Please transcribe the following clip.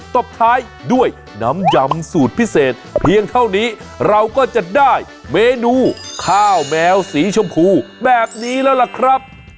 ตบท้ายด้วยน้ำยำสูตรพิเศษเพียงเท่านี้เราก็จะได้เมนูข้าวแมวสีชมพูแบบนี้แล้วล่ะครับ